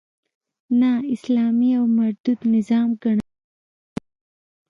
نا اسلامي او مردود نظام ګڼل کېده.